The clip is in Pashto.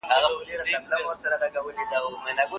که پل وي نو سیند نه پاتیږي.